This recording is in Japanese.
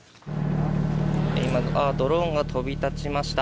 今、ドローンが飛び立ちました。